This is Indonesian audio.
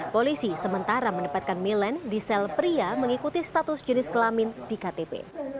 polisi sementara menempatkan milen di sel pria mengikuti status jenis kelamin di ktp